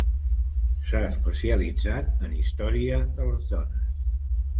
S'ha especialitzat en història de les dones.